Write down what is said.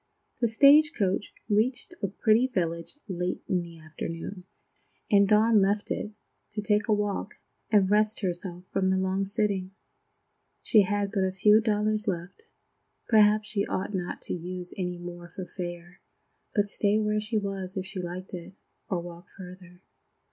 The stage coach reached a pretty village late in the afternoon, and Dawn left it, to take a walk and rest herself from the long sitting. She had but a few dollars left. Perhaps she ought not to use any more for fare, but stay where she was if she liked it, or walk farther.